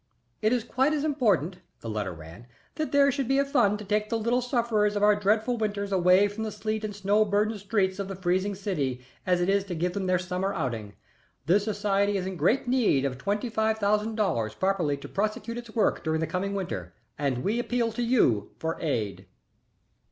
"It is quite as important," the letter ran, "that there should be a fund to take the little sufferers of our dreadful winters away from the sleet and snow burdened streets of the freezing city as it is to give them their summer outing. This society is in great need of twenty five thousand dollars properly to prosecute its work during the coming winter, and we appeal to you for aid."